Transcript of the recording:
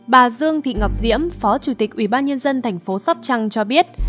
bà dương thị ngọc diễm phó chủ tịch ubnd tp sóc trăng cho biết